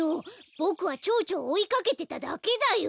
ボクはチョウチョをおいかけてただけだよ。